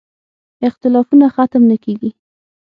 اختلافونه ختم نه کېږي.